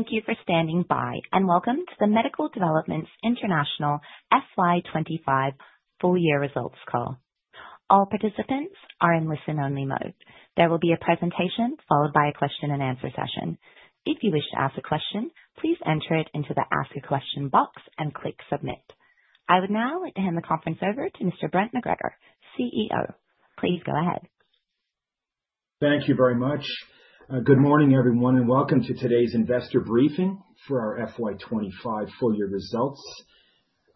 Thank you for standing by, welcome to the Medical Developments International FY25 full year results call. All participants are in listen-only mode. There will be a presentation followed by a question and answer session. If you wish to ask a question, please enter it into the Ask a Question box and click Submit. I would now like to hand the conference over to Mr. Brent MacGregor, CEO. Please go ahead. Thank you very much. Good morning, everyone, and welcome to today's investor briefing for our FY25 full year results.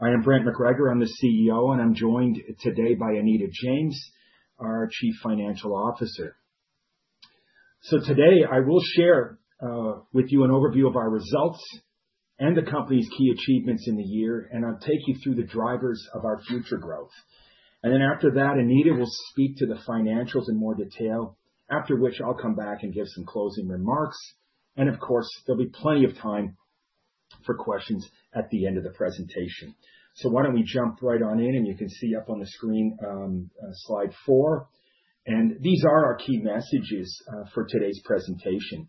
I am Brent MacGregor, I'm the CEO, and I'm joined today by Anita James, our Chief Financial Officer. Today, I will share with you an overview of our results and the company's key achievements in the year, and I'll take you through the drivers of our future growth. Then after that, Anita will speak to the financials in more detail, after which I'll come back and give some closing remarks, and of course, there'll be plenty of time for questions at the end of the presentation. Why don't we jump right on in, and you can see up on the screen, slide 4. These are our key messages for today's presentation.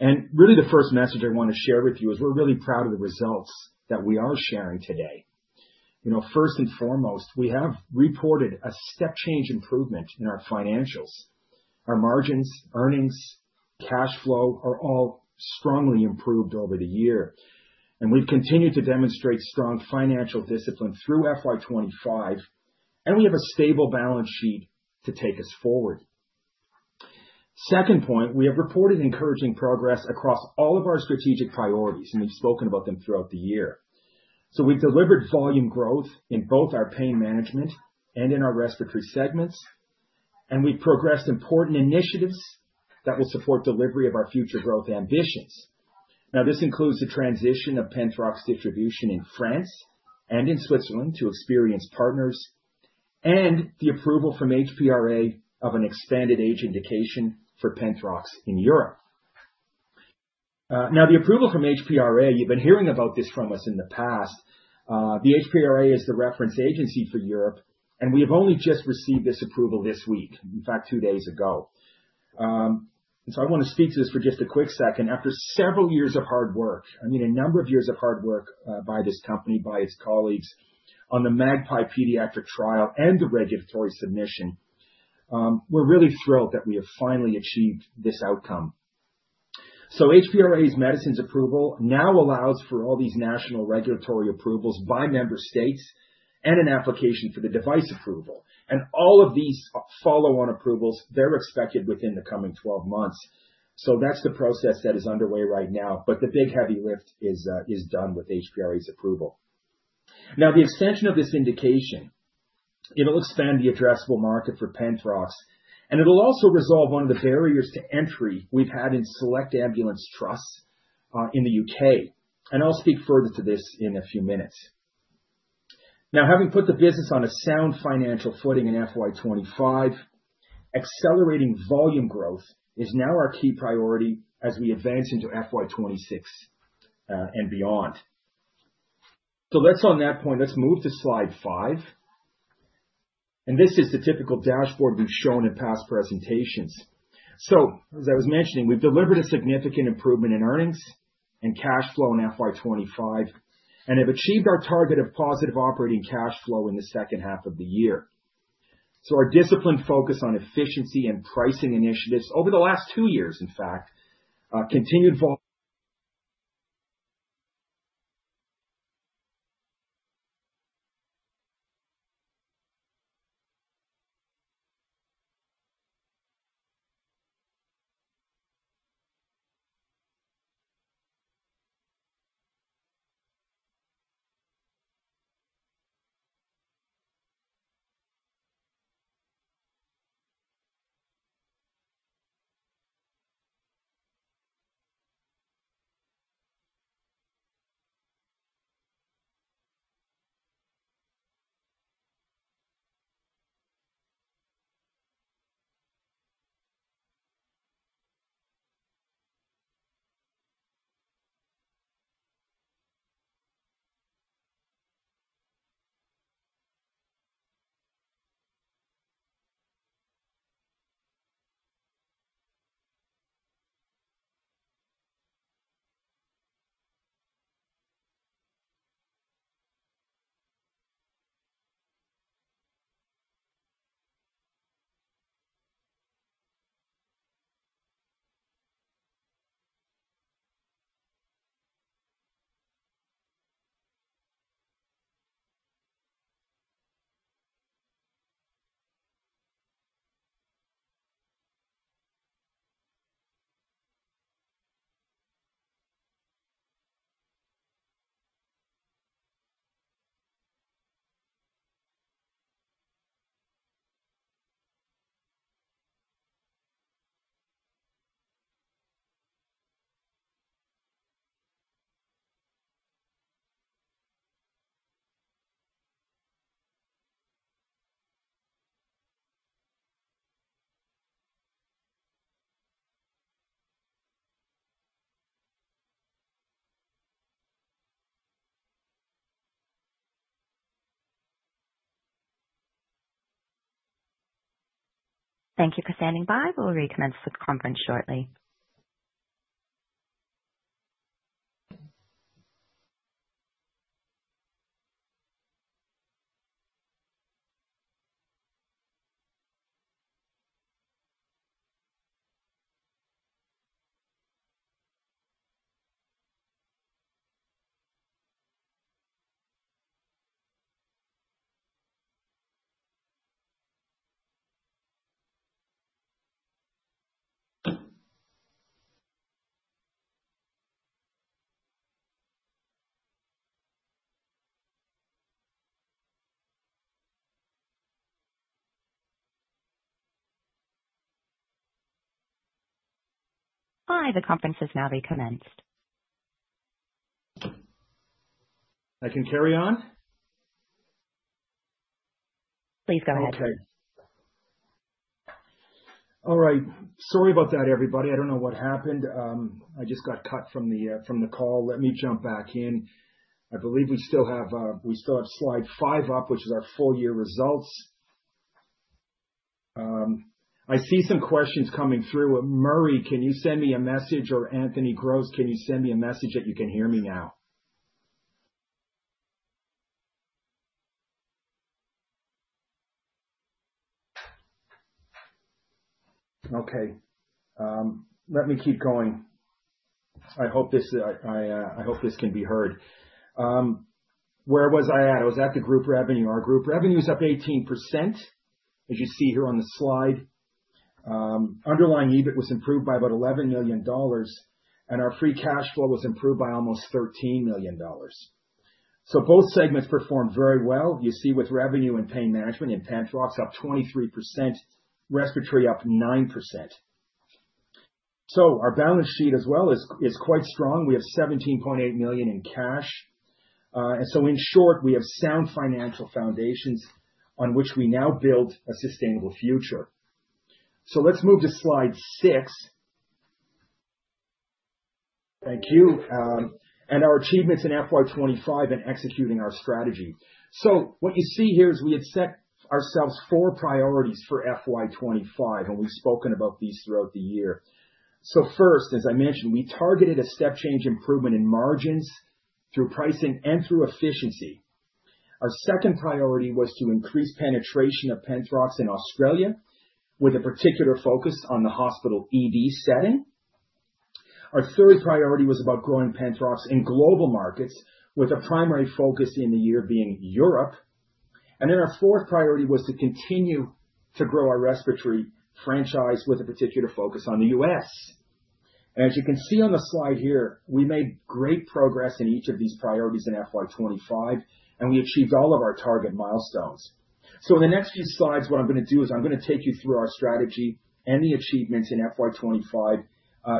Really, the first message I want to share with you is we're really proud of the results that we are sharing today. You know, first and foremost, we have reported a step change improvement in our financials. Our margins, earnings, cash flow are all strongly improved over the year, and we've continued to demonstrate strong financial discipline through FY25, and we have a stable balance sheet to take us forward. Second point, we have reported encouraging progress across all of our strategic priorities, and we've spoken about them throughout the year. We've delivered volume growth in both our pain management and in our respiratory segments, and we've progressed important initiatives that will support delivery of our future growth ambitions. This includes the transition of Penthrox's distribution in France and in Switzerland to experienced partners, and the approval from HPRA of an extended age indication for Penthrox in Europe. The approval from HPRA, you've been hearing about this from us in the past. The HPRA is the reference agency for Europe, and we have only just received this approval this week, in fact, 2 days ago. I want to speak to this for just a quick second. After several years of hard work, I mean, a number of years of hard work, by this company, by its colleagues on the MAGPIE paediatric trial and the regulatory submission, we're really thrilled that we have finally achieved this outcome. HPRA's medicines approval now allows for all these national regulatory approvals by member states and an application for the device approval. All of these follow-on approvals, they're expected within the coming 12 months. That's the process that is underway right now. The big heavy lift is done with HPRA's approval. The extension of this indication, it'll expand the addressable market for Penthrox, and it'll also resolve one of the barriers to entry we've had in select ambulance trusts in the UK, and I'll speak further to this in a few minutes. Having put the business on a sound financial footing in FY25, accelerating volume growth is now our key priority as we advance into FY26 and beyond. On that point, let's move to slide 5. This is the typical dashboard we've shown in past presentations. As I was mentioning, we've delivered a significant improvement in earnings and cash flow in FY25, and have achieved our target of positive operating cash flow in the second half of the year. Our disciplined focus on efficiency and pricing initiatives over the last two years, in fact. Thank you for standing by. We'll recommence with the conference shortly. Hi, the conference is now recommenced. I can carry on? Please go ahead. Okay. All right. Sorry about that, everybody. I don't know what happened. I just got cut from the from the call. Let me jump back in. I believe we still have, we still have slide 5 up, which is our full year results. I see some questions coming through. Murray, can you send me a message or Anthony Gross, can you send me a message that you can hear me now? Okay, let me keep going. I hope this can be heard. Where was I at? I was at the group revenue. Our group revenue is up 18%, as you see here on the slide. Underlying EBIT was improved by about 11 million dollars, and our free cash flow was improved by almost 13 million dollars. Both segments performed very well. You see with revenue and pain management in Penthrox up 23%, Respiratory up 9%. Our balance sheet as well is quite strong. We have 17.8 million in cash. In short, we have sound financial foundations on which we now build a sustainable future. Let's move to slide 6. Thank you. Our achievements in FY25 in executing our strategy. What you see here is we had set ourselves 4 priorities for FY25, and we've spoken about these throughout the year. First, as I mentioned, we targeted a step change improvement in margins through pricing and through efficiency. Our second priority was to increase penetration of Penthrox in Australia, with a particular focus on the hospital ED setting. Our third priority was about growing Penthrox in global markets, with a primary focus in the year being Europe. Then our fourth priority was to continue to grow our respiratory franchise with a particular focus on the U.S. As you can see on the slide here, we made great progress in each of these priorities in FY25, and we achieved all of our target milestones. In the next few slides, what I'm gonna do is I'm gonna take you through our strategy and the achievements in FY25,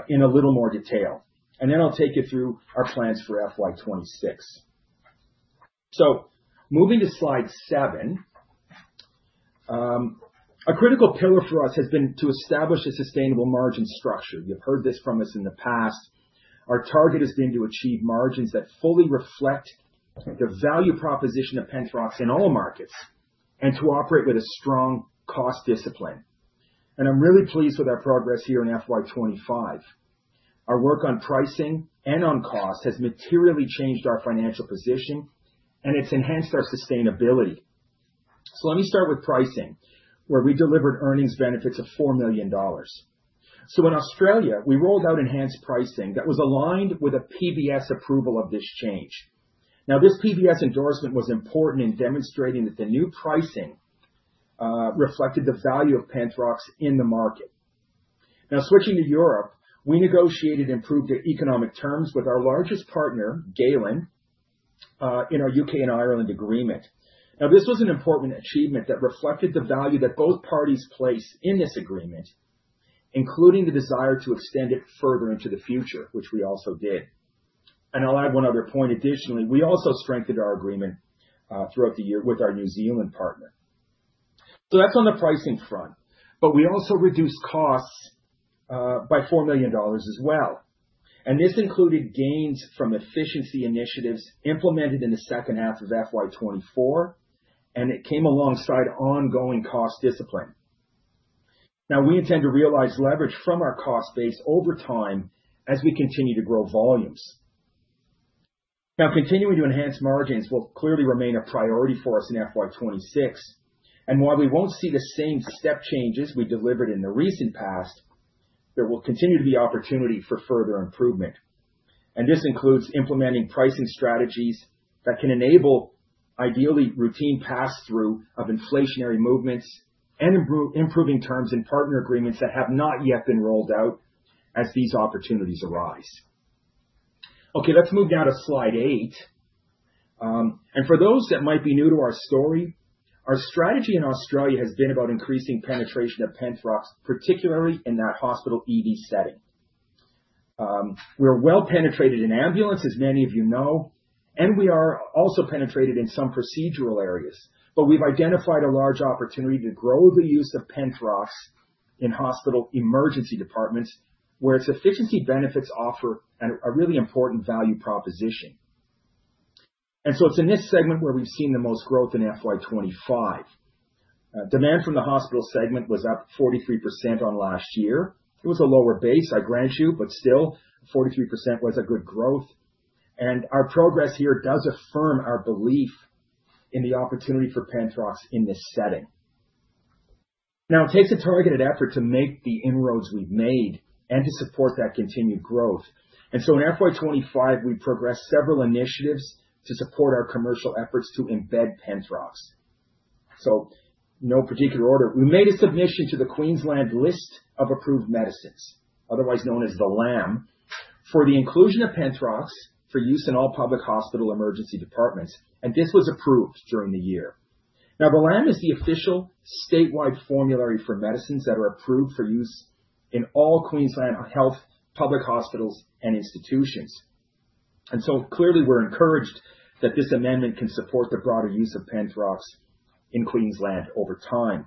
in a little more detail, and then I'll take you through our plans for FY26. Moving to slide seven. A critical pillar for us has been to establish a sustainable margin structure. You've heard this from us in the past. Our target has been to achieve margins that fully reflect the value proposition of Penthrox in all markets, and to operate with a strong cost discipline. I'm really pleased with our progress here in FY25. Our work on pricing and on cost has materially changed our financial position, and it's enhanced our sustainability. Let me start with pricing, where we delivered earnings benefits of 4 million dollars. In Australia, we rolled out enhanced pricing that was aligned with a PBS approval of this change. This PBS endorsement was important in demonstrating that the new pricing reflected the value of Penthrox in the market. Switching to Europe, we negotiated improved economic terms with our largest partner, Galen, in our UK and Ireland agreement. This was an important achievement that reflected the value that both parties place in this agreement, including the desire to extend it further into the future, which we also did. I'll add one other point additionally, we also strengthened our agreement throughout the year with our New Zealand partner. That's on the pricing front. We also reduced costs by 4 million dollars as well. This included gains from efficiency initiatives implemented in the second half of FY24, and it came alongside ongoing cost discipline. We intend to realize leverage from our cost base over time as we continue to grow volumes. Continuing to enhance margins will clearly remain a priority for us in FY26, and while we won't see the same step changes we delivered in the recent past, there will continue to be opportunity for further improvement. This includes implementing pricing strategies that can enable ideally routine pass-through of inflationary movements and improving terms and partner agreements that have not yet been rolled out as these opportunities arise. Okay, let's move now to slide 8. For those that might be new to our story, our strategy in Australia has been about increasing penetration of Penthrox, particularly in that hospital ED setting. We're well penetrated in ambulance, as many of you know, and we are also penetrated in some procedural areas. We've identified a large opportunity to grow the use of Penthrox in hospital emergency departments, where its efficiency benefits offer a really important value proposition. It's in this segment where we've seen the most growth in FY25. Demand from the hospital segment was up 43% on last year. It was a lower base, I grant you, but still, 43% was a good growth. Our progress here does affirm our belief in the opportunity for Penthrox in this setting. Now, it takes a targeted effort to make the inroads we've made and to support that continued growth. In FY25, we progressed several initiatives to support our commercial efforts to embed Penthrox. No particular order. We made a submission to the Queensland List of Approved Medicines, otherwise known as the LAM, for the inclusion of Penthrox for use in all public hospital emergency departments, and this was approved during the year. Now, the LAM is the official statewide formulary for medicines that are approved for use in all Queensland Health public hospitals and institutions. Clearly, we're encouraged that this amendment can support the broader use of Penthrox in Queensland over time.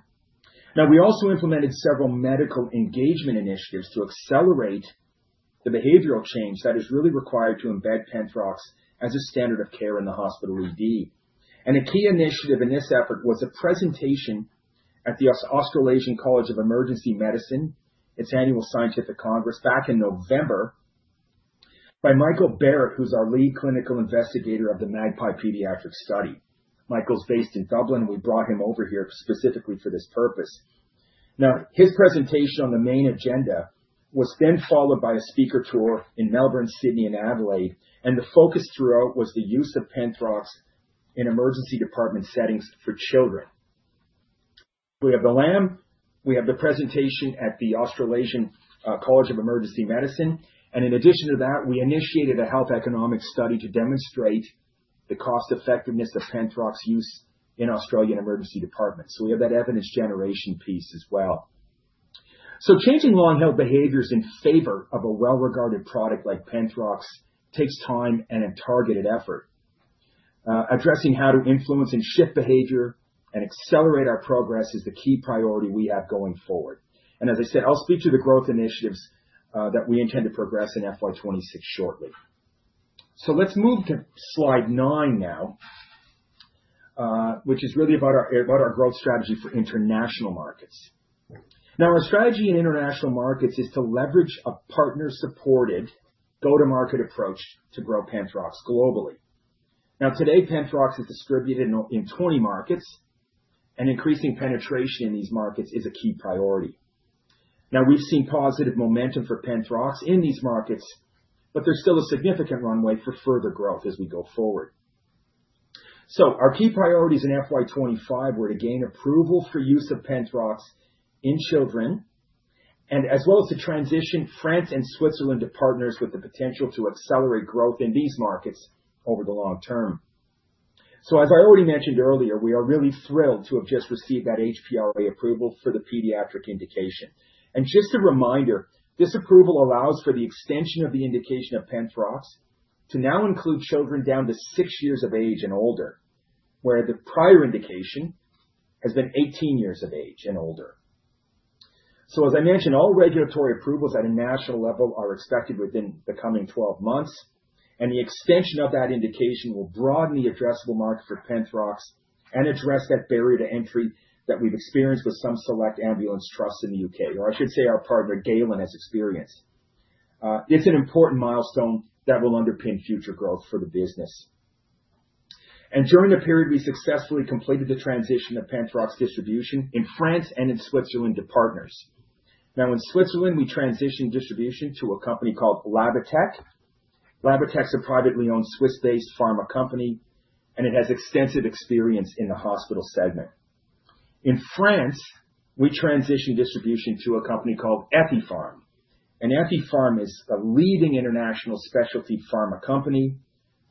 We also implemented several medical engagement initiatives to accelerate the behavioral change that is really required to embed Penthrox as a standard of care in the hospital ED. A key initiative in this effort was a presentation at the Australasian College for Emergency Medicine, its annual scientific congress, back in November, by Michael Barrett, who's our lead clinical investigator of the MAGPIE Pediatric Study. Michael's based in Dublin. We brought him over here specifically for this purpose. His presentation on the main agenda was then followed by a speaker tour in Melbourne, Sydney, and Adelaide, and the focus throughout was the use of Penthrox in emergency department settings for children. We have the LAM, we have the presentation at the Australasian College for Emergency Medicine, and in addition to that, we initiated a health economic study to demonstrate the cost effectiveness of Penthrox use in Australian emergency departments. We have that evidence generation piece as well. Changing long-held behaviors in favor of a well-regarded product like Penthrox takes time and a targeted effort. Addressing how to influence and shift behavior and accelerate our progress is the key priority we have going forward. As I said, I'll speak to the growth initiatives that we intend to progress in FY26 shortly. Let's move to slide 9 now, which is really about our growth strategy for international markets. Now, our strategy in international markets is to leverage a partner-supported go-to-market approach to grow Penthrox globally. Today, Penthrox is distributed in 20 markets, and increasing penetration in these markets is a key priority. We've seen positive momentum for Penthrox in these markets, but there's still a significant runway for further growth as we go forward. Our key priorities in FY25 were to gain approval for use of Penthrox in children, and as well as to transition France and Switzerland to partners with the potential to accelerate growth in these markets over the long term. As I already mentioned earlier, we are really thrilled to have just received that HPRA approval for the pediatric indication. Just a reminder, this approval allows for the extension of the indication of Penthrox to now include children down to 6 years of age and older, where the prior indication has been 18 years of age and older. As I mentioned, all regulatory approvals at a national level are expected within the coming 12 months, and the extension of that indication will broaden the addressable market for Penthrox and address that barrier to entry that we've experienced with some select ambulance trusts in the UK, or I should say our partner, Galen, has experienced. It's an important milestone that will underpin future growth for the business. During the period, we successfully completed the transition of Penthrox distribution in France and in Switzerland to partners. Now, in Switzerland, we transitioned distribution to a company called Labatec. Labatec's a privately owned, Swiss-based pharma company, and it has extensive experience in the hospital segment. In France, we transitioned distribution to a company called Ethypharm. Ethypharm is a leading international specialty pharma company,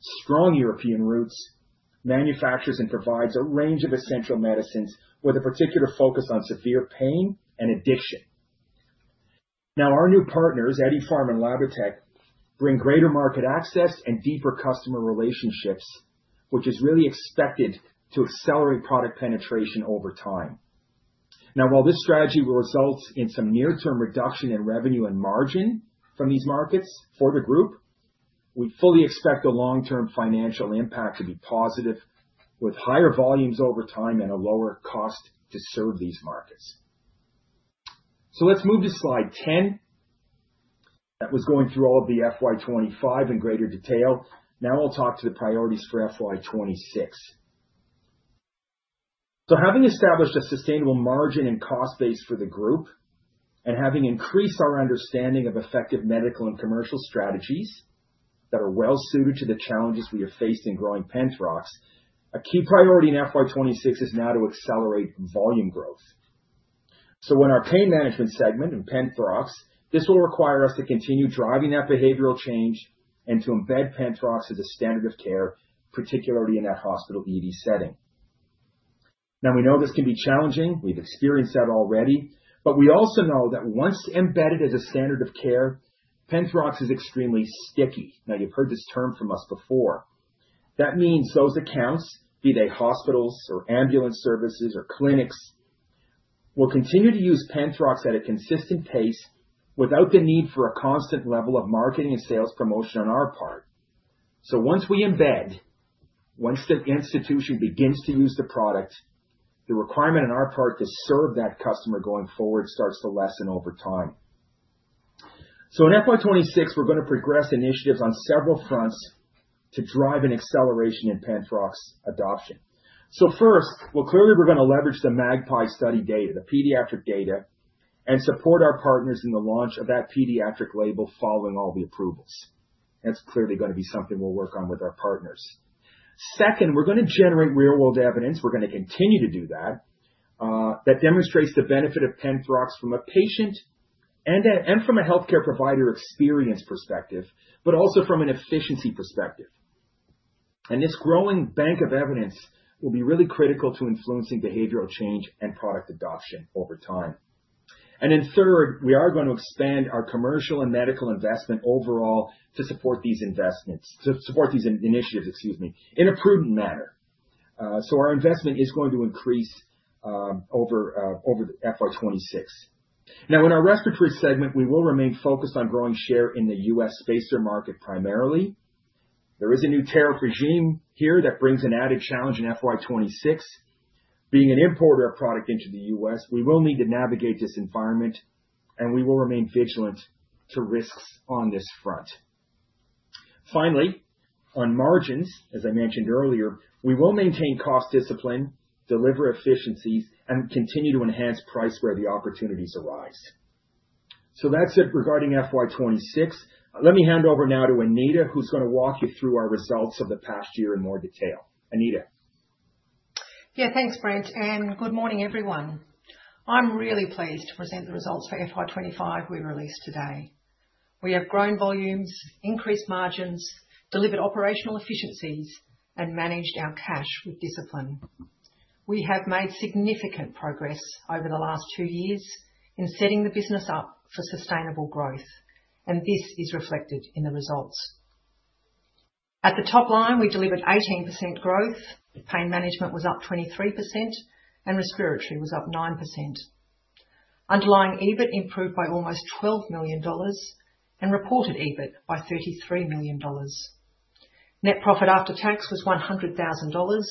strong European roots, manufactures and provides a range of essential medicines with a particular focus on severe pain and addiction. Our new partners, Ethypharm and Labatec, bring greater market access and deeper customer relationships, which is really expected to accelerate product penetration over time. While this strategy will result in some near-term reduction in revenue and margin from these markets for the group, we fully expect the long-term financial impact to be positive, with higher volumes over time and a lower cost to serve these markets. Let's move to slide 10. That was going through all of the FY25 in greater detail. I'll talk to the priorities for FY26. Having established a sustainable margin and cost base for the group, and having increased our understanding of effective medical and commercial strategies that are well suited to the challenges we have faced in growing Penthrox, a key priority in FY26 is now to accelerate volume growth. In our pain management segment, in Penthrox, this will require us to continue driving that behavioral change and to embed Penthrox as a standard of care, particularly in that hospital ED setting. We know this can be challenging. We've experienced that already. We also know that once embedded as a standard of care, Penthrox is extremely sticky. You've heard this term from us before. That means those accounts, be they hospitals or ambulance services or clinics. Will continue to use Penthrox at a consistent pace without the need for a constant level of marketing and sales promotion on our part. Once we embed, once the institution begins to use the product, the requirement on our part to serve that customer going forward starts to lessen over time. In FY26, we're going to progress initiatives on several fronts to drive an acceleration in Penthrox adoption. First, well, clearly, we're going to leverage the MAGPIE study data, the pediatric data, and support our partners in the launch of that pediatric label following all the approvals. That's clearly going to be something we'll work on with our partners. Second, we're going to generate real-world evidence. We're going to continue to do that, that demonstrates the benefit of Penthrox from a patient and, and from a healthcare provider experience perspective, but also from an efficiency perspective. This growing bank of evidence will be really critical to influencing behavioral change and product adoption over time. Then third, we are going to expand our commercial and medical investment overall to support these investments, to support these initiatives, excuse me, in a prudent manner. So our investment is going to increase over FY26. Now, in our respiratory segment, we will remain focused on growing share in the US spacer market, primarily. There is a new tariff regime here that brings an added challenge in FY26. Being an importer of product into the US, we will need to navigate this environment, and we will remain vigilant to risks on this front. Finally, on margins, as I mentioned earlier, we will maintain cost discipline, deliver efficiencies, and continue to enhance price where the opportunities arise. That's it regarding FY26. Let me hand over now to Anita, who's going to walk you through our results of the past year in more detail. Anita? Yeah, thanks, Brent. Good morning, everyone. I'm really pleased to present the results for FY25 we released today. We have grown volumes, increased margins, delivered operational efficiencies, and managed our cash with discipline. We have made significant progress over the last two years in setting the business up for sustainable growth, and this is reflected in the results. At the top line, we delivered 18% growth. Pain management was up 23%, and respiratory was up 9%. Underlying EBIT improved by almost 12 million dollars and reported EBIT by 33 million dollars. Net profit after tax was 100,000 dollars,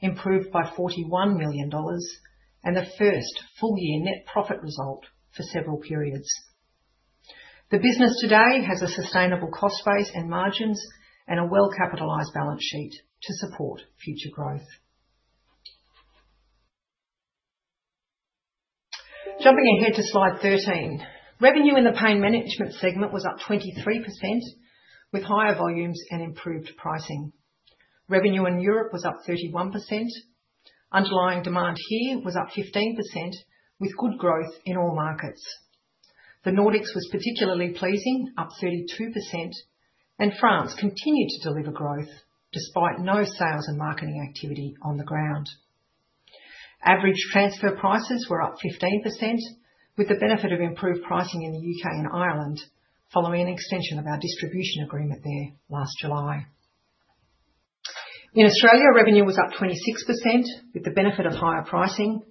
improved by 41 million dollars, and the first full-year net profit result for several periods. The business today has a sustainable cost base and margins and a well-capitalized balance sheet to support future growth. Jumping ahead to Slide 13. Revenue in the pain management segment was up 23%, with higher volumes and improved pricing. Revenue in Europe was up 31%. Underlying demand here was up 15%, with good growth in all markets. The Nordics was particularly pleasing, up 32%, and France continued to deliver growth despite no sales and marketing activity on the ground. Average transfer prices were up 15%, with the benefit of improved pricing in the UK and Ireland, following an extension of our distribution agreement there last July. In Australia, revenue was up 26% with the benefit of higher pricing.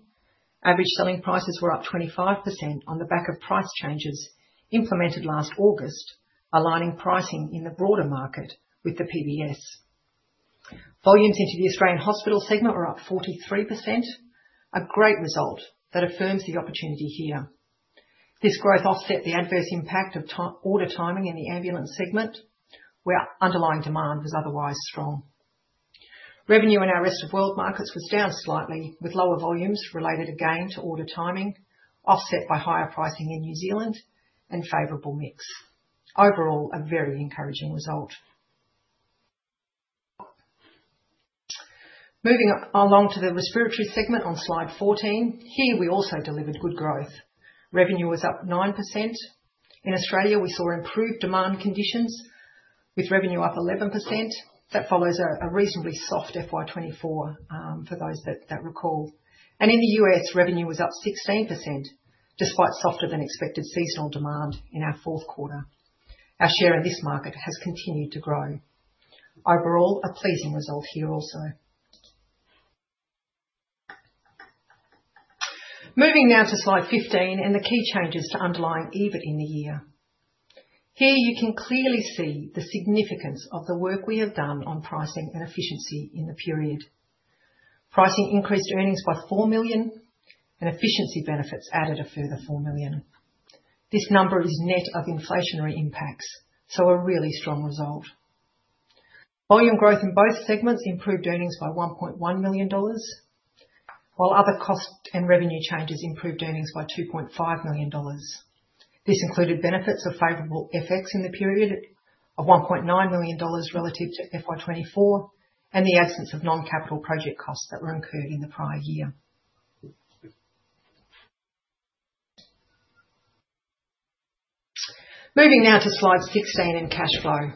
Average selling prices were up 25% on the back of price changes implemented last August, aligning pricing in the broader market with the PBS. Volumes into the Australian hospital segment were up 43%, a great result that affirms the opportunity here. This growth offset the adverse impact of order timing in the ambulance segment, where underlying demand was otherwise strong. Revenue in our rest of world markets was down slightly, with lower volumes related again to order timing, offset by higher pricing in New Zealand and favorable mix. Overall, a very encouraging result. Moving along to the respiratory segment on Slide 14. Here, we also delivered good growth. Revenue was up 9%. In Australia, we saw improved demand conditions, with revenue up 11%. That follows a reasonably soft FY24, for those that recall. In the US, revenue was up 16%, despite softer-than-expected seasonal demand in our fourth quarter. Our share in this market has continued to grow. Overall, a pleasing result here also. Moving now to Slide 15 and the key changes to underlying EBIT in the year. Here, you can clearly see the significance of the work we have done on pricing and efficiency in the period. Pricing increased earnings by 4 million, and efficiency benefits added a further 4 million. This number is net of inflationary impacts, so a really strong result. Volume growth in both segments improved earnings by 1.1 million dollars, while other cost and revenue changes improved earnings by 2.5 million dollars. This included benefits of favorable FX in the period of 1.9 million dollars relative to FY24, and the absence of non-capital project costs that were incurred in the prior year. Moving now to Slide 16 in cash flow.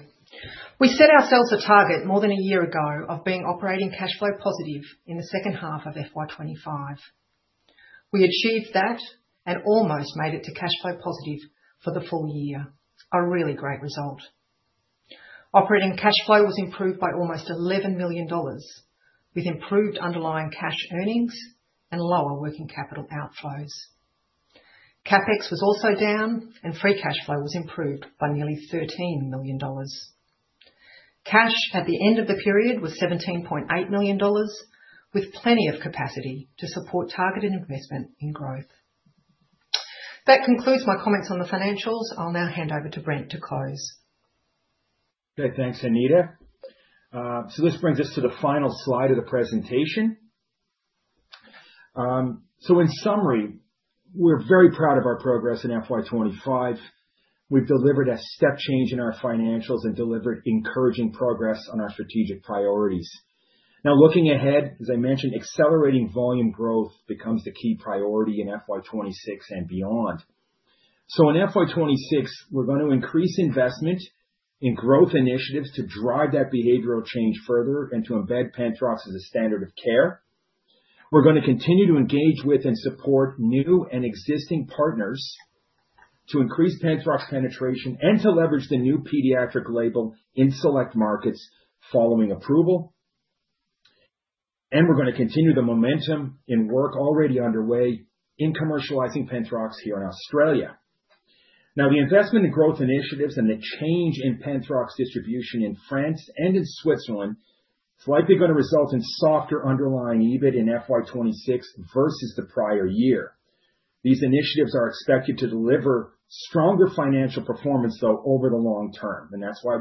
We set ourselves a target more than a year ago of being operating cash flow positive in the second half of FY25. We achieved that almost made it to cash flow positive for the full year. A really great result. Operating cash flow was improved by almost 11 million dollars, with improved underlying cash earnings and lower working capital outflows. CapEx was also down, free cash flow was improved by nearly 13 million dollars. Cash at the end of the period was 17.8 million dollars, with plenty of capacity to support targeted investment in growth. That concludes my comments on the financials. I'll now hand over to Brent to close. Okay, thanks, Anita. This brings us to the final slide of the presentation. In summary, we're very proud of our progress in FY25. We've delivered a step change in our financials and delivered encouraging progress on our strategic priorities. Now, looking ahead, as I mentioned, accelerating volume growth becomes the key priority in FY26 and beyond. In FY26, we're going to increase investment in growth initiatives to drive that behavioral change further and to embed Penthrox as a standard of care. We're going to continue to engage with and support new and existing partners to increase Penthrox penetration and to leverage the new pediatric label in select markets following approval. We're gonna continue the momentum in work already underway in commercializing Penthrox here in Australia. The investment in growth initiatives and the change in Penthrox distribution in France and in Switzerland is likely going to result in softer underlying EBIT in FY26 versus the prior year. These initiatives are expected to deliver stronger financial performance, though, over the long term, that's why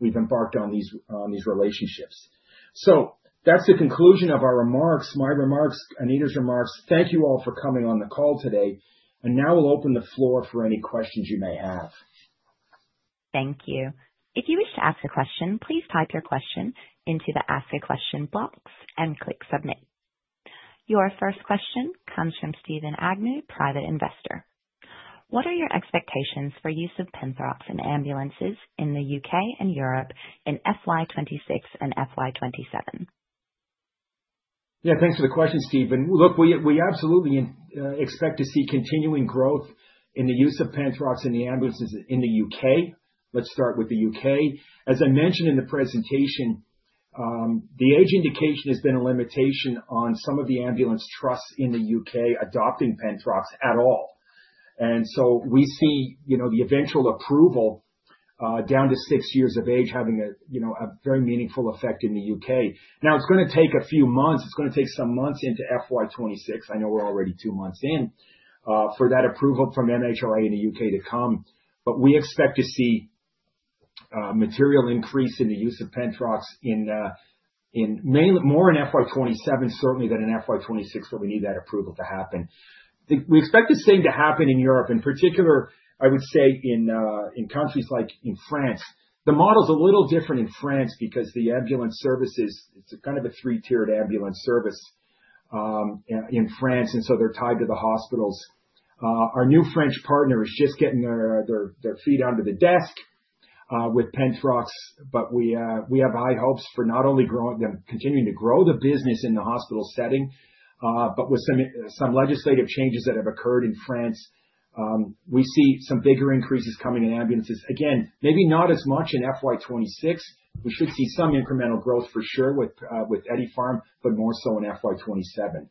we've embarked on these, on these relationships. That's the conclusion of our remarks, my remarks, Anita's remarks. Thank you all for coming on the call today, now we'll open the floor for any questions you may have. Thank you. If you wish to ask a question, please type your question into the Ask a Question box and click Submit. Your first question comes from Stephen Agnew, private investor. What are your expectations for use of Penthrox in ambulances in the UK and Europe in FY26 and FY27? Yeah, thanks for the question, Stephen. Look, we, we absolutely, expect to see continuing growth in the use of Penthrox in the ambulances in the UK. Let's start with the UK. As I mentioned in the presentation, the age indication has been a limitation on some of the ambulance trusts in the UK adopting Penthrox at all. We see, you know, the eventual approval, down to six years of age, having a, you know, a very meaningful effect in the UK. Now, it's gonna take a few months. It's gonna take some months into FY26, I know we're already two months in, for that approval from MHRA in the UK to come. We expect to see material increase in the use of Penthrox in more in FY27, certainly, than in FY26, but we need that approval to happen. We expect the same to happen in Europe, in particular, I would say, in countries like in France. The model is a little different in France because the ambulance services, it's a kind of a three-tiered ambulance service in France, and so they're tied to the hospitals. Our new French partner is just getting their, their, their feet under the desk with Penthrox, but we have high hopes for not only continuing to grow the business in the hospital setting, but with some legislative changes that have occurred in France, we see some bigger increases coming in ambulances. Maybe not as much in FY26. We should see some incremental growth for sure with, with Ethypharm, but more so in FY27.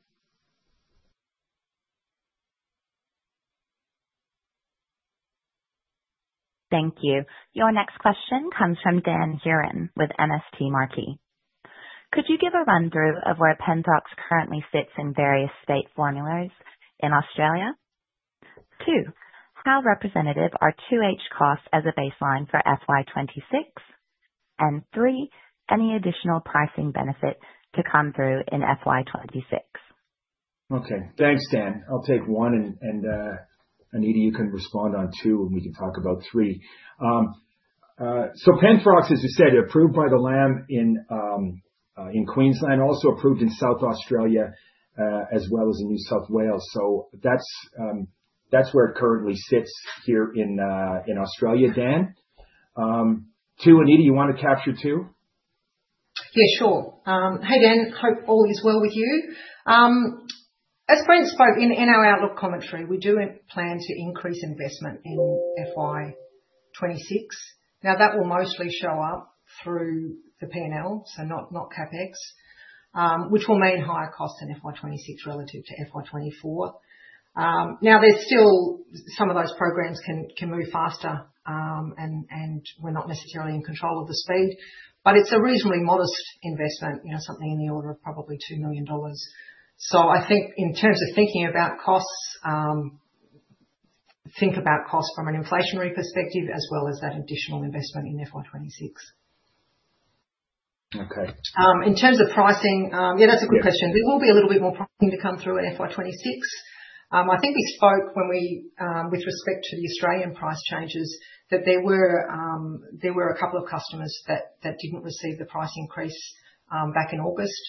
Thank you. Your next question comes from Dan Huron with MST Marquee. Could you give a rundown of where Penthrox currently sits in various state formularies in Australia? 2, how representative are 2H costs as a baseline for FY26? 3, any additional pricing benefits to come through in FY26? Okay, thanks, Dan. I'll take one, and, and, Anita, you can respond on two, and we can talk about three. Penthrox, as you said, approved by the LAM in Queensland, also approved in South Australia, as well as in New South Wales. That's, that's where it currently sits here in Australia, Dan. Two, Anita, you want to capture two? Yeah, sure. Hi, Dan. Hope all is well with you. As Brent spoke in, in our outlook commentary, we do plan to increase investment in FY26. That will mostly show up through the P&L, so not, not CapEx, which will mean higher costs in FY26 relative to FY24. There's still. Some of those programs can, can move faster, and, and we're not necessarily in control of the speed, but it's a reasonably modest investment, you know, something in the order of probably 2 million dollars. I think in terms of thinking about costs, think about costs from an inflationary perspective, as well as that additional investment in FY26. Okay. In terms of pricing, yeah, that's a good question. Yeah. There will be a little bit more pricing to come through in FY 2026. I think we spoke when we, with respect to the Australian price changes, that there were a couple of customers that didn't receive the price increase back in August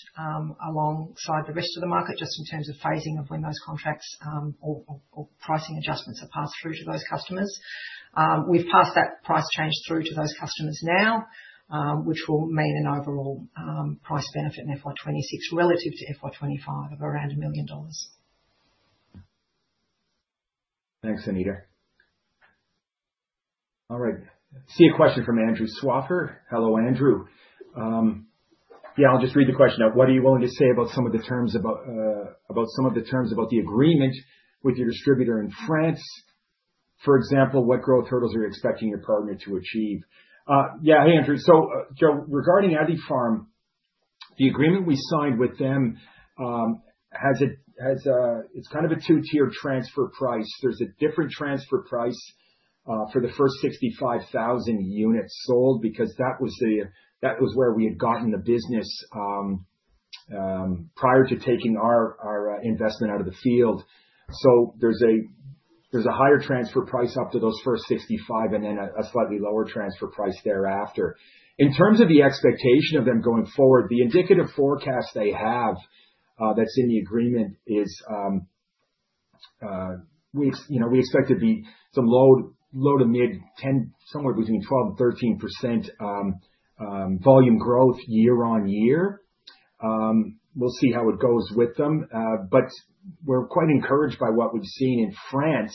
alongside the rest of the market, just in terms of phasing of when those contracts or pricing adjustments are passed through to those customers. We've passed that price change through to those customers now, which will mean an overall price benefit in FY 2026 relative to FY 2025 of around $1 million. Thanks, Anita. All right. I see a question from Andrew Swaffer. Hello, Andrew. I'll just read the question out. What are you willing to say about some of the terms about the agreement with your distributor in France? For example, what growth hurdles are you expecting your partner to achieve? Yeah, hey, Andrew. Regarding Ethypharm, the agreement we signed with them has a, it's kind of a two-tier transfer price. There's a different transfer price for the first 65,000 units sold, because that was where we had gotten the business prior to taking our investment out of the field. There's a higher transfer price up to those first 65, and then a slightly lower transfer price thereafter. In terms of the expectation of them going forward, the indicative forecast they have, that's in the agreement is, we, you know, we expect to be somewhere between 12% and 13% volume growth year on year. We'll see how it goes with them. But we're quite encouraged by what we've seen in France,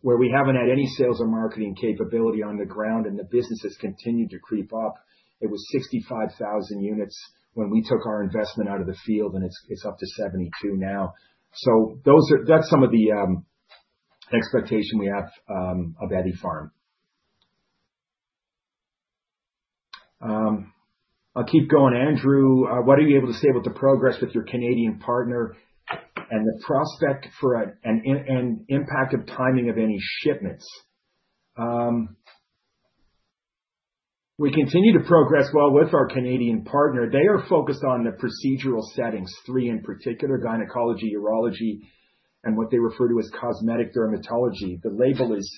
where we haven't had any sales or marketing capability on the ground, and the business has continued to creep up. It was 65,000 units when we took our investment out of the field, and it's, it's up to 72 now. That's some of the expectation we have of Ethypharm. I'll keep going. What are you able to say about the progress with your Canadian partner and the prospect for an impact of timing of any shipments?" We continue to progress well with our Canadian partner. They are focused on the procedural settings, three in particular, gynecology, urology, and what they refer to as cosmetic dermatology. The label is,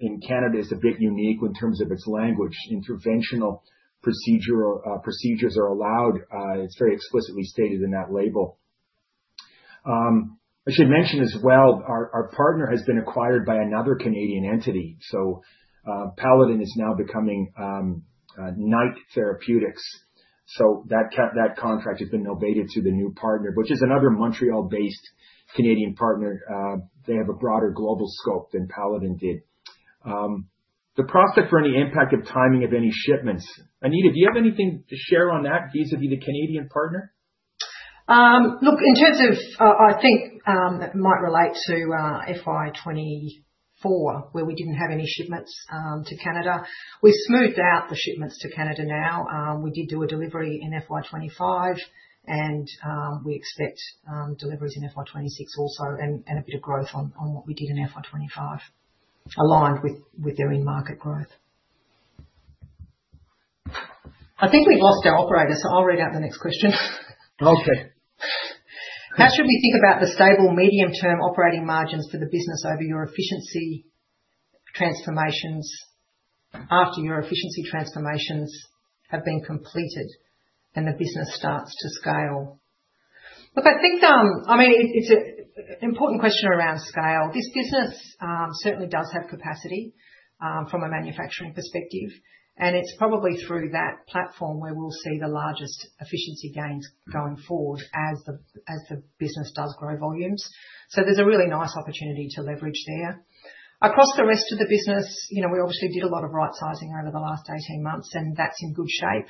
in Canada, is a bit unique in terms of its language. Interventional procedural procedures are allowed. It's very explicitly stated in that label. I should mention as well, our, our partner has been acquired by another Canadian entity, so Paladin is now becoming Knight Therapeutics. That contract has been novated to the new partner, which is another Montreal-based Canadian partner. They have a broader global scope than Paladin did. The prospect for any impact of timing of any shipments. Anita, do you have anything to share on that vis-a-vis the Canadian partner? Look, in terms of, I think, that might relate to FY24, where we didn't have any shipments to Canada. We've smoothed out the shipments to Canada now. We did do a delivery in FY25, and we expect deliveries in FY26 also, and, and a bit of growth on, on what we did in FY25, aligned with, with their in-market growth. I think we've lost our operator, so I'll read out the next question. Okay. How should we think about the stable medium-term operating margins for the business over your efficiency transformations, after your efficiency transformations have been completed and the business starts to scale?" Look, I think, I mean, it, it's a important question around scale. This business, certainly does have capacity from a manufacturing perspective, and it's probably through that platform where we'll see the largest efficiency gains going forward as the, as the business does grow volumes. So there's a really nice opportunity to leverage there. Across the rest of the business, you know, we obviously did a lot of right-sizing over the last 18 months, and that's in good shape.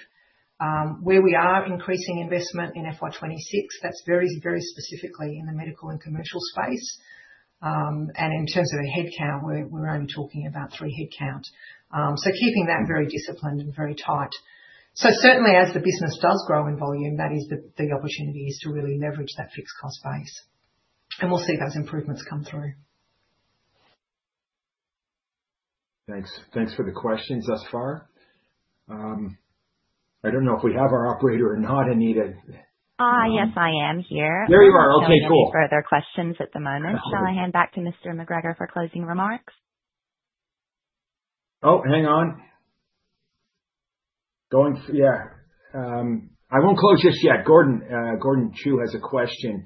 Where we are increasing investment in FY26, that's very, very specifically in the medical and commercial space. And in terms of a headcount, we're, we're only talking about three headcount. Keeping that very disciplined and very tight. Certainly, as the business does grow in volume, that is the, the opportunity is to really leverage that fixed cost base, and we'll see those improvements come through. Thanks. Thanks for the questions thus far. I don't know if we have our operator or not, Anita? Ah, yes, I am here. There you are. Okay, cool. No further questions at the moment. Shall I hand back to Mr. MacGregor for closing remarks? Oh, hang on. Going-- Yeah. I won't close just yet. Gordon, Gordon Chu has a question.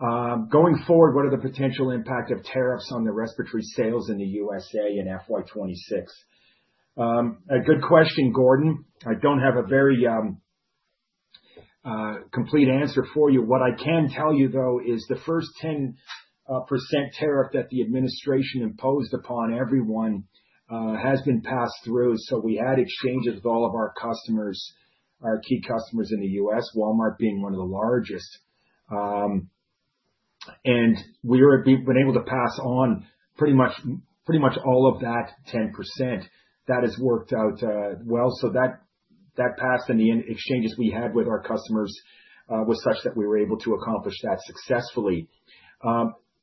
"Going forward, what are the potential impact of tariffs on the respiratory sales in the U.S.A. in FY26?" A good question, Gordon. I don't have a very complete answer for you. What I can tell you, though, is the first 10% tariff that the administration imposed upon everyone has been passed through. We had exchanges with all of our customers, our key customers in the U.S., Walmart being one of the largest. We've been able to pass on pretty much all of that 10%. That has worked out well. That passed, and the exchanges we had with our customers was such that we were able to accomplish that successfully.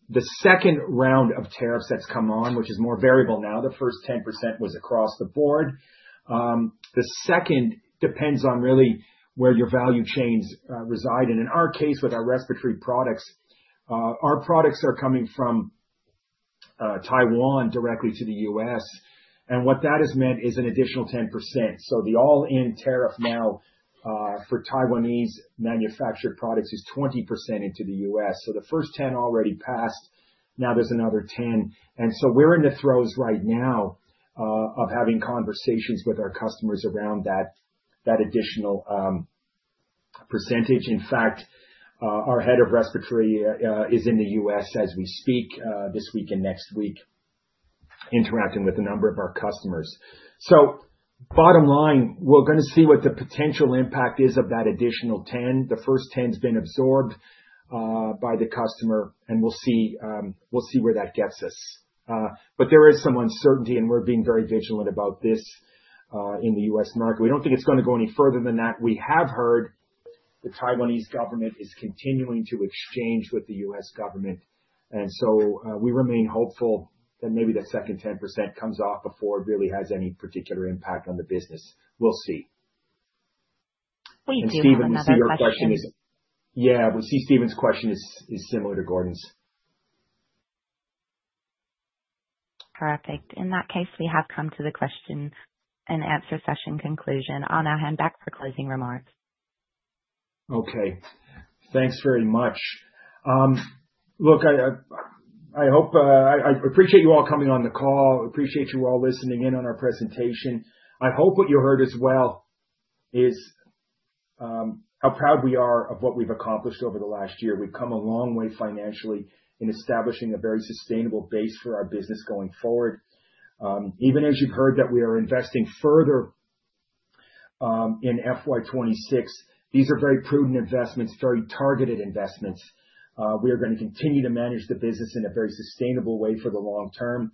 The second round of tariffs that's come on, which is more variable now, the first 10% was across the board. The second depends on really where your value chains reside. In our case, with our respiratory products, our products are coming from Taiwan directly to the U.S., and what that has meant is an additional 10%. The all-in tariff now for Taiwanese-manufactured products is 20% into the U.S. The first 10 already passed, now there's another 10, and so we're in the throes right now of having conversations with our customers around that, that additional percentage. In fact, our head of respiratory is in the U.S. as we speak this week and next week, interacting with a number of our customers. Bottom line, we're gonna see what the potential impact is of that additional 10. The first 10's been absorbed by the customer, and we'll see, we'll see where that gets us. There is some uncertainty, and we're being very vigilant about this in the U.S. market. We don't think it's gonna go any further than that. We have heard the Taiwanese government is continuing to exchange with the U.S. government, we remain hopeful that maybe that second 10% comes off before it really has any particular impact on the business. We'll see. We do have another question. Stephen, we see your question is... Yeah, we see Stephen's question is, is similar to Gordon's. Perfect. In that case, we have come to the question and answer session conclusion. I'll now hand back for closing remarks. Okay. Thanks very much. Look, I, I hope... I, I appreciate you all coming on the call, appreciate you all listening in on our presentation. I hope what you heard as well is, how proud we are of what we've accomplished over the last year. We've come a long way financially in establishing a very sustainable base for our business going forward. Even as you've heard that we are investing further in FY26, these are very prudent investments, very targeted investments. We are gonna continue to manage the business in a very sustainable way for the long term,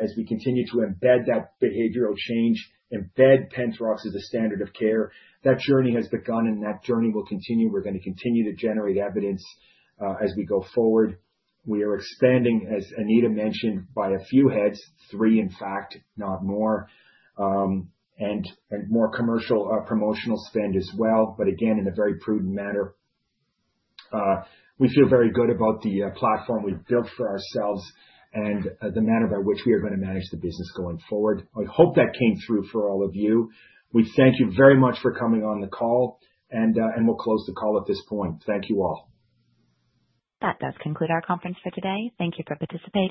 as we continue to embed that behavioral change, embed Penthrox as a standard of care. That journey has begun, and that journey will continue. We're gonna continue to generate evidence, as we go forward., as Anita mentioned, by a few heads, three, in fact, not more. More commercial promotional spend as well, but again, in a very prudent manner. We feel very good about the platform we've built for ourselves and the manner by which we are gonna manage the business going forward. I hope that came through for all of you. We thank you very much for coming on the call, and we'll close the call at this point. Thank you all. That does conclude our conference for today. Thank Thank you for participating.